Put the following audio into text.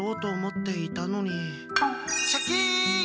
シャキン！